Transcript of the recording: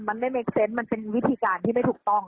มันได้เมคเซนต์มันเป็นวิธีการที่ไม่ถูกต้อง